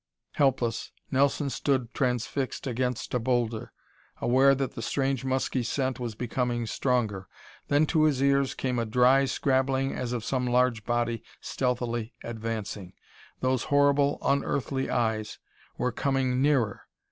Helpless, Nelson stood transfixed against a boulder, aware that the strange, musky scent was becoming stronger. Then to his ears came a dry scrabbling as of some large body stealthily advancing. Those horrible, unearthly eyes were coming nearer!